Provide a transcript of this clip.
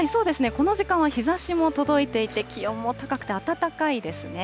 この時間は日ざしも届いていて、気温も高くて暖かいですね。